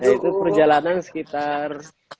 itu perjalanan sekitar